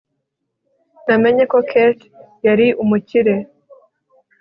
Namenye ko Kate yari umukire